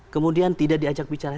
kemudian tidak diajak bicara